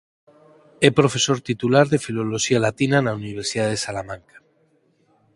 É profesor titular de Filoloxía Latina na Universidade de Salamanca.